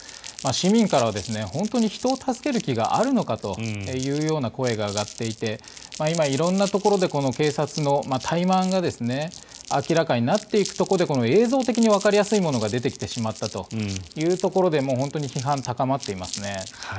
市民からは本当に人を助ける気があるのかという声が上がっていて今、色んなところで警察の怠慢が明らかになっていくところで映像的にわかりやすいものが出てきてしまったというところで本当に批判が高まっていますね。